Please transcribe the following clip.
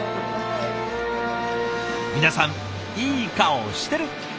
皆さんいい顔してる！